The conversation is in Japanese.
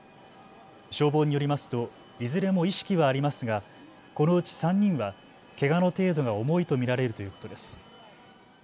消防によりますといずれも意識はありますがこのうち３人はけがの程度が重いと見られるということです。